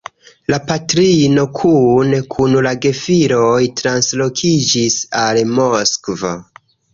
La patrino kune kun la gefiloj translokiĝis al Moskvo.